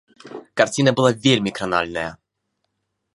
Карціна была вельмі кранальная.